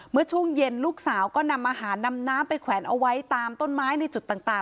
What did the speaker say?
เมื่อช่วงเย็นลูกสาวก็นำอาหารนำน้ำไปแขวนเอาไว้ตามต้นไม้ในจุดต่าง